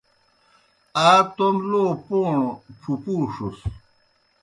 آ توْم لو پوݨوْ پُھپُوݜُس۔